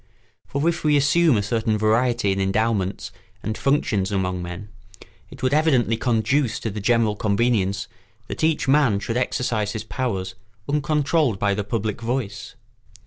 For if we assume a certain variety in endowments and functions among men, it would evidently conduce to the general convenience that each man should exercise his powers uncontrolled by the public voice.